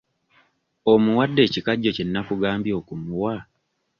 Omuwadde ekikajjo kye nnakugambye okumuwa?